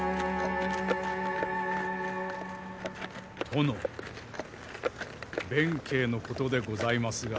殿弁慶のことでございますが。